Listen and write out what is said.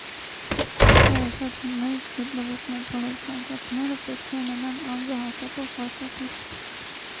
Տեղաշարժի մեջ գտնվող մեր բոլոր քաղաքացիները պետք է ունենան անձը հաստատող փաստաթուղթ։